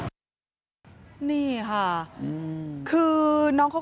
นี่ค่ะคือน้องเขาก็ยืงยัน